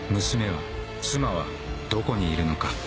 娘は妻はどこにいるのか？